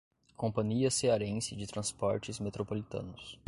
Companhia Cearense de Transportes Metropolitanos